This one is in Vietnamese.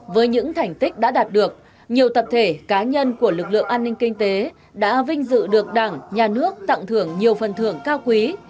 với những thành tích đã đạt được nhiều tập thể cá nhân của lực lượng an ninh kinh tế đã vinh dự được đảng nhà nước tặng thưởng nhiều phần thưởng cao quý